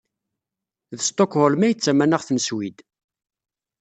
D Stokholm i d tamanaɣt n Swid.